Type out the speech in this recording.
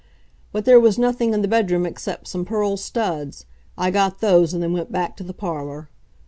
But there was nothing in the bedroom except some pearl studs. I got those and then went back to the parlor.